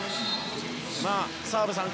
澤部さん